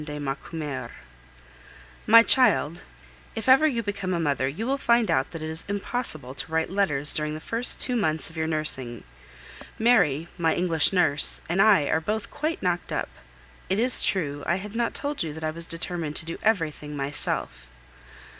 DE MACUMER My child, If ever you become a mother, you will find out that it is impossible to write letters during the first two months of your nursing. Mary, my English nurse, and I are both quite knocked up. It is true I had not told you that I was determined to do everything myself.